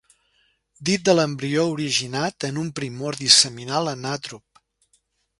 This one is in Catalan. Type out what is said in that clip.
Dit de l'embrió originat en un primordi seminal anàtrop.